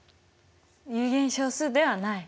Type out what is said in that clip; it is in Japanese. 有限小数ではない。